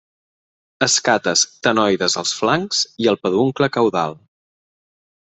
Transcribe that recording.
Escates ctenoides als flancs i el peduncle caudal.